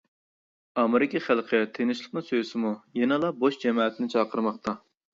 ئامېرىكا خەلقى تىنچلىقنى سۆيسىمۇ يەنىلا بوش جەمەتىنى چاقىرماقتا.